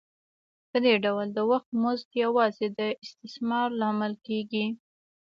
په دې ډول د وخت مزد یوازې د استثمار لامل کېږي